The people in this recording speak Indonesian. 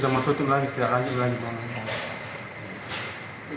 sudah menutup lagi